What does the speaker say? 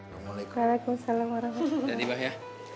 waalaikumsalam warahmatullah ya